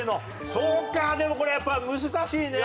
そうかでもこれやっぱ難しいね。